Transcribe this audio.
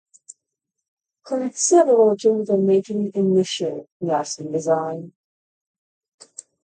Considerable changes were made to the initial "Yasen" design.